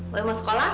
gue mau sekolah